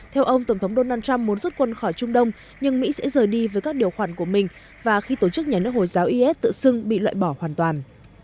theo ông tổng thống donald trump muốn rút quân khỏi trung đông nhưng mỹ sẽ rời đi với các điều khoản của mình và khi tổ chức nhà nước hồi giáo is tự xưng bị loại bỏ hoàn toàn